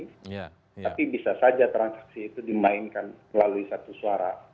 tapi bisa saja transaksi itu dimainkan melalui satu suara